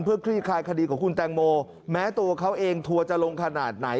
เพื่อคลี่คลายคดีของคุณแตงโมแม้ตัวเขาเองทัวร์จะลงขนาดไหน